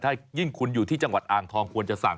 ถ้ายิ่งคุณอยู่ที่จังหวัดอ่างทองควรจะสั่ง